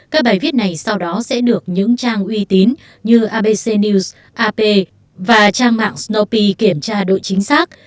các bài viết này sau đó sẽ được những trang uy tín như abc news ap và trang mạng snopee kiểm tra độ chính xác